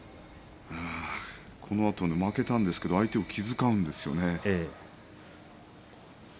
このあと負けたんですけれども相手を気遣うんですよね。